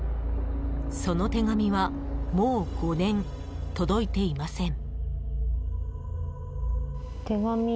その手紙はもう５年、届いていません。